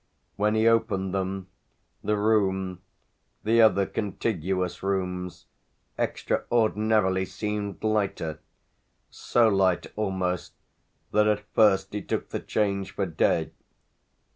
When he opened them the room, the other contiguous rooms, extraordinarily, seemed lighter so light, almost, that at first he took the change for day.